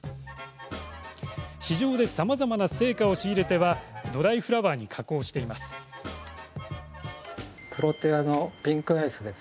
市場でさまざまな生花を仕入れてはドライフラワーに加工しています。